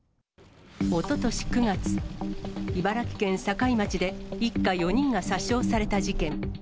おととし９月、茨城県境町で一家４人が殺傷された事件。